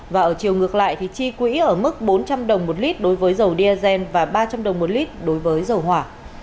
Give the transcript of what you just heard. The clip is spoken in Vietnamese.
và ở chiều ngược lại chi quỹ ở mức bốn trăm linh đồng một lit đối với dầu diazen và ba trăm linh đồng một lit đối với dầu hỏa